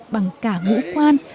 bằng cả ngũ quan